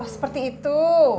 oh seperti itu